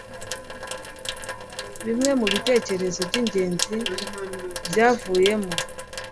bimwe mu bitekerezo by ingenzi byavuyemo